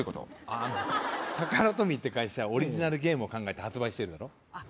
あのタカラトミーって会社オリジナルゲームを考えて発売してるだろあっ